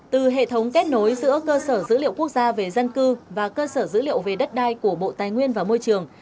từ hệ thống kết nối giữa cơ sở dữ liệu quốc gia về dân cư và cơ sở dữ liệu về đất đai của bộ tài nguyên và môi trường